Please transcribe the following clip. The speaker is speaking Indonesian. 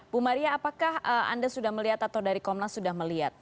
bu maria apakah anda sudah melihat atau dari komnas sudah melihat